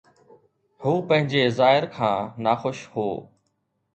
هو پنهنجي ظاهر کان ناخوش هو.